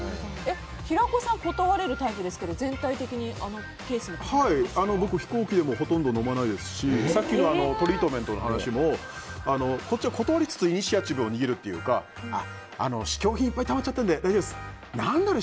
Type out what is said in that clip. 平子さん断れるタイプですけど僕、飛行機でもほとんど飲まないですしさっきのトリートメントの話も断りつつイニシアチブを握るっていうか試供品がいっぱいたまっちゃってるので大丈夫ですとか。